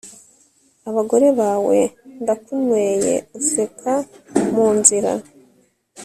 abagore bawe ! ndakunyweye useka munzira